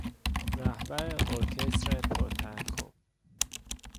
رهبر ارکستر پر تحکم